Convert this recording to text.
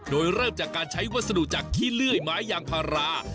โดยเริ่มจากการใช้วัสดุจากขี้เลื่อยไม้ยางพารา